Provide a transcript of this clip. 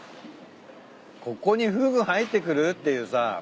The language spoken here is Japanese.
ここにフグ入ってくる？っていうさ。